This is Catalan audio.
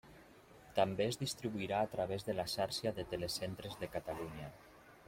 També es distribuirà a través de la Xarxa de Telecentres de Catalunya.